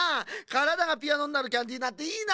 からだがピアノになるキャンディーなんていいな。